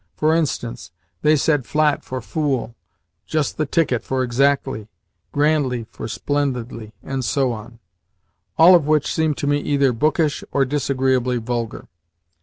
For instance, they said "flat" for fool, "just the ticket" for exactly, "grandly" for splendidly, and so on all of which seemed to me either bookish or disagreeably vulgar.